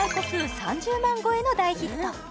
３０万超えの大ヒット